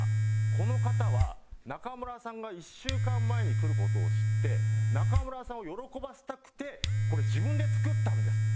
この方は中村さんが１週間前に来る事を知って中村さんを喜ばせたくてこれ自分で作ったんです」って。